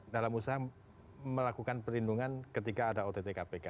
dalam usaha melakukan perlindungan ketika ada ott kpk